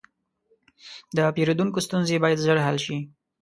د پیرودونکو ستونزې باید ژر حل شي.